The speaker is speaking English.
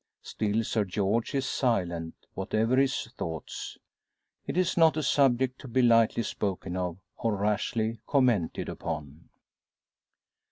Still Sir George is silent, whatever his thoughts. It is not a subject to be lightly spoken of, or rashly commented upon.